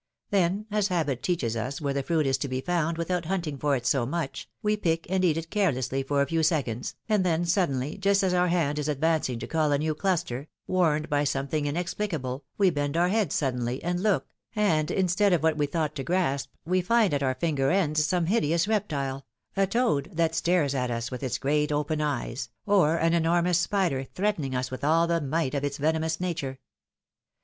Then, as habit teaches us where the fruit is to be found without hunting for it so much, we pick and eat it carelessly for a few seconds, and then suddenly, just as our hand is advancing to cull a new cluster, warned by something inexplicable, we bend our head suddenly and look, and instead of what we thought to grasp, we find at our finger ends some hideous reptile — a toad, that stares at us with its great, open eyes, or an enormous spider threatening us with all the might of its venomous nature.